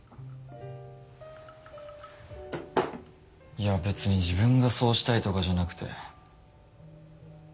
いや別に自分がそうしたいとかじゃなくて。